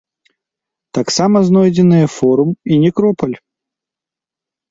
Таксама знойдзеныя форум і некропаль.